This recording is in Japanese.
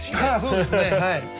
そうですね！